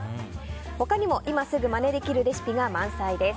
他にも今すぐまねできるレシピが満載です。